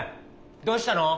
どうしたの？